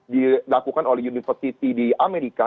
dilakukan oleh university di amerika